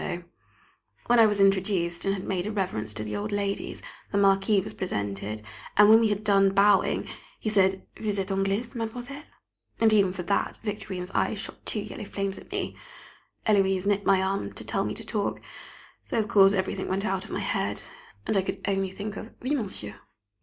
[Sidenote: Wandering Glances] When I was introduced and had made a reverence to the old ladies, the Marquis was presented, and when we had done bowing, he said: "Vous êtes anglaise, mademoiselle?" and, even for that, Victorine's eyes shot two yellow flames at me! Héloise nipped my arm to tell me to talk, so of course everything went out of my head, and I could only think of "Oui, monsieur."